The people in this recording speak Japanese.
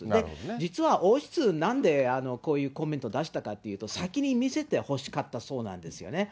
実は王室、なんでこういうコメントを出したかというと、先に見せてほしかったそうなんですよね。